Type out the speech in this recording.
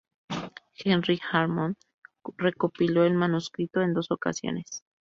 Henry Hammond recopiló el manuscrito en dos ocasiones.